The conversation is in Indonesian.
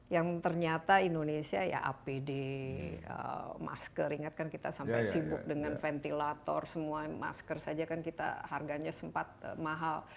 yang ternyata indonesia ya apd masker ingat kan kita sampai sibuk dengan ventilator semua masker saja kan kita harganya sempat mahal